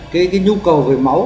cái nhu cầu về máu